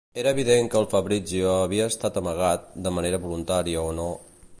Era evident que el Fabrizio havia estat amagat, de manera voluntària o no...